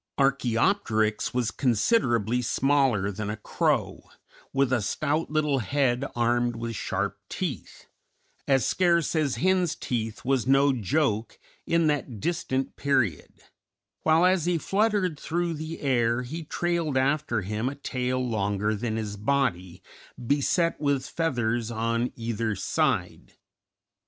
Archæopteryx was considerably smaller than a crow, with a stout little head armed with sharp teeth (as scarce as hens' teeth was no joke in that distant period), while as he fluttered through the air he trailed after him a tail longer than his body, beset with feathers on either side.